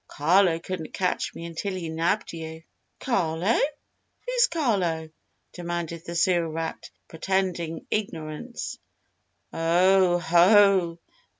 Carlo couldn't catch me until he nabbed you." "Carlo! Who's Carlo!" demanded the Sewer Rat, pretending ignorance. "Oh! Ho!"